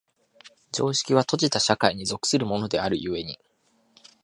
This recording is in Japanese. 常識は閉じた社会に属するものである故に、